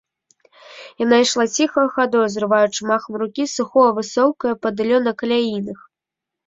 Яна ішла ціхаю хадою, зрываючы махам рукі сухое высокае бадыллё на каляінах.